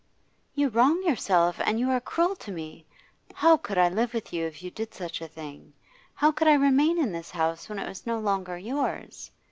'You wrong yourself, and you are cruel to me. How could I live with you if you did such a thing? How could I remain in this house when it was no longer yours?